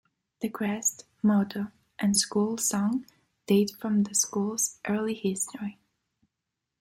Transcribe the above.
The crest, motto and school song date from the school's early history.